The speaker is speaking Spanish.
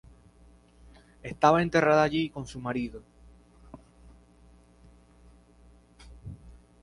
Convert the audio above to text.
Está enterrada allí con su marido.